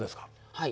はい。